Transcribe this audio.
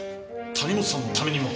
谷本さんのためにも。